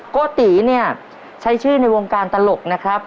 โกติเนี่ยใช้ชื่อในวงการตลกนะครับ